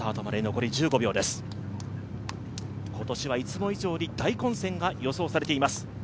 今年はいつも以上に大混戦が予想されています。